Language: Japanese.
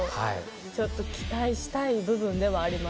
ちょっと期待したい部分でもあります。